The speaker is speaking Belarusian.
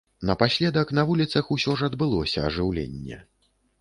Напаследак на вуліцах усё ж адбылося ажыўленне.